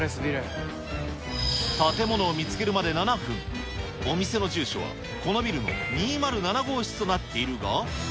建物を見つけるまで７分、お店の住所はこのビルの２０７号室となっているが。